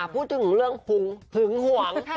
พูดถึงเรื่องหึงหวง